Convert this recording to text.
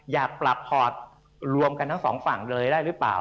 อยากปรับพอร์ตรวมกันทั้งสองฝั่งเลยได้หรือเปล่า